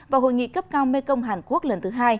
và hội nghị cấp cao mekong hàn quốc lần thứ hai